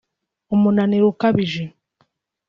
umunaniro ukabije